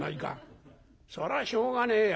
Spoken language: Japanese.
「そりゃしょうがねえや。